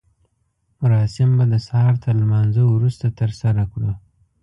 مراسم به د سهار تر لمانځه وروسته ترسره کړو.